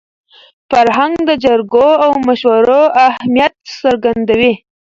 فرهنګ د جرګو او مشورو اهمیت څرګندوي.